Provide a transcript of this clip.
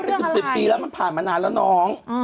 แต่เหตุการณ์เป็น๑๐ปีแล้วมันผ่านมานานแล้วน้อง